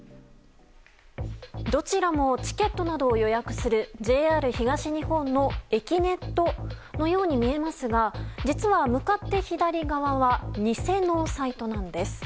どちらもチケットなどを予約するＪＲ東日本のえきねっとのように見えますが実は向かって左側は偽のサイトなんです。